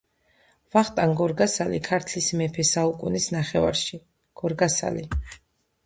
ვახტანგ გორგასალი ქართლის მეფე საუკუნის ნახევარში. „გორგასალი